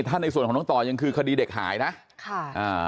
ถ้าในส่วนของน้องต่อยังคือคดีเด็กหายนะค่ะอ่า